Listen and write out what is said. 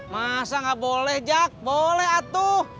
masa nggak boleh jak boleh atuh